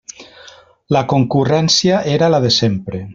La concurrència era la de sempre.